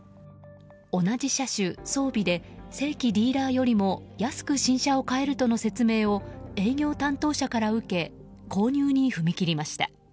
同じ車種、装備で正規ディーラーよりも安く新車を買えるとの説明を営業担当者から受け購入に踏み切りました。